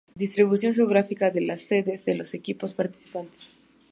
Distribución geográfica de las sedes de los equipos participantes.